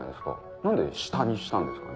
何で「下」にしたんですかね？